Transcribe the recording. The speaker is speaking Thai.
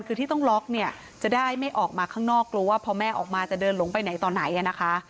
คือที่ต้องล็อกเนี่ยจะได้ไม่ออกมาข้างนอกกลัวว่าพอแม่ออกมาจะเดินหลงไปไหนต่อไหนนะคะ